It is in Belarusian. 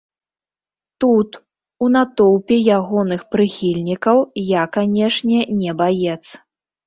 Тут, у натоўпе ягоных прыхільнікаў, я, канечне, не баец.